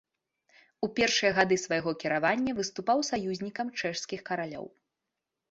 У першыя гады свайго кіравання выступаў саюзнікам чэшскіх каралёў.